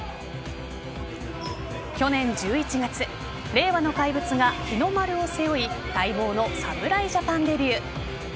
去年１１月令和の怪物が日の丸を背負い待望の侍ジャパンデビュー。